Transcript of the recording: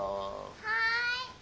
・はい。